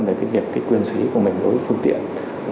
về việc quyền sử dụng của mình đối với phương tiện